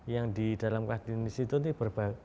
yang di dalam kadin institute berbagai